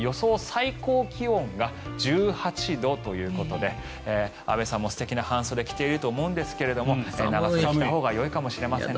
最高気温が１８度ということで安部さんも素敵な半袖を着ていると思うんですが長袖を着たほうがいいかもしれません。